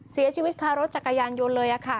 เสียชีวิตคารถจักรยานยนต์เลยค่ะ